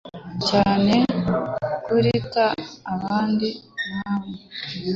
cyane kuruta abandi nkawe